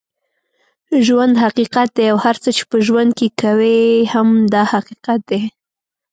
ژوند حقیقت دی اوهر څه چې په ژوند کې کوې هم دا حقیقت دی